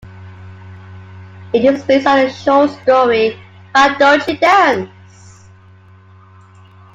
It is based on the short story Why Don't You Dance?